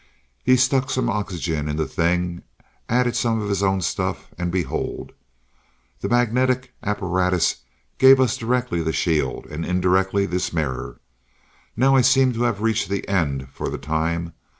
He stuck some oxygen in the thing, added some of his own stuff and behold. The magnetic apparatus gave us directly the shield, and indirectly this mirror. Now, I seem to have reached the end for the time.